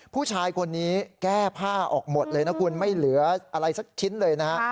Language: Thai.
ผู้ชายคนนี้แก้ผ้าออกหมดเลยนะคุณไม่เหลืออะไรสักชิ้นเลยนะฮะ